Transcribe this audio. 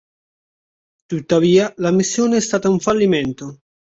Tuttavia, la missione è stata un fallimento.